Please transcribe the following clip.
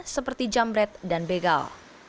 seperti jamret dan begal